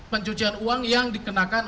pencucian uang yang dikenakan